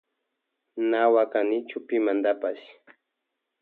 Na wakanichu pimantapash.